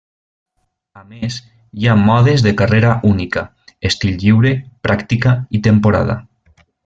A més, hi ha modes de carrera única, estil lliure, pràctica i temporada.